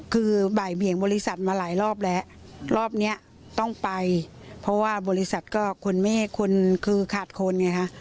คือบ่ายเบียงบริษัทมาหลายรอบแล้วรอบเนี้ยต้องไปเพราะว่าบริษัทก็คนแม่คนคือขาดคนไงฮะ